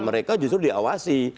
mereka justru diawasi